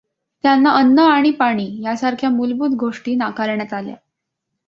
त्यांना अन्न आणि पाणी यासारख्या मूलभूत गोष्टी नाकारण्यात आल्या.